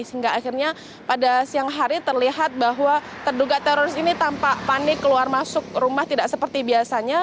sehingga akhirnya pada siang hari terlihat bahwa terduga teroris ini tampak panik keluar masuk rumah tidak seperti biasanya